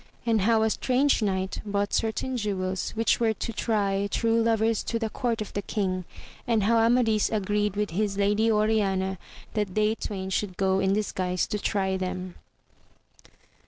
And how a strange knight brought certain jewels, which wero to try true lovers to the court of the king, and how Amadis agreed with his lady Oriana tha^t they twain should go in disguise to try them.